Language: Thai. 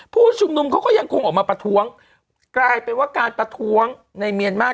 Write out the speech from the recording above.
ผู้ชุมนุมเขาก็ยังคงออกมาประท้วงกลายเป็นว่าการประท้วงในเมียนมาร์